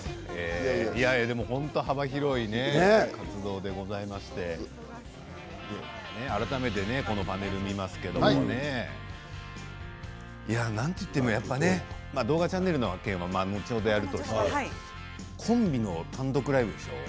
本当に幅広い活動でございまして改めてこのパネルを見ますけれどなんといっても、やっぱり動画チャンネルの件は後ほどやるとしてコンビの単独ライブですよ。